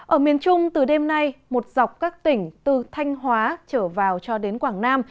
ở miền trung từ đêm nay một dọc các tỉnh từ thanh hóa trở vào cho đến quảng nam